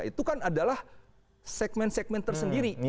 itu kan adalah segmen segmen tersendiri